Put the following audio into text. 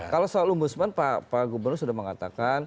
kalau soal ombudsman pak gubernur sudah mengatakan